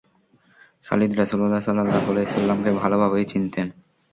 খালিদ রাসূল সাল্লাল্লাহু আলাইহি ওয়াসাল্লাম-কে ভাল ভাবেই চিনতেন।